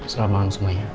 selamat malam semuanya